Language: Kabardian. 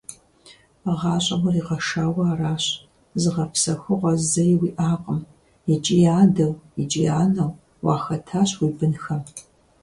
ГъащӀэм уригъэшауэ аращ, зыгъэпсэхугъуэ зэи уиӀакъым, икӀи адэу икӀи анэу уахэтащ уи бынхэм.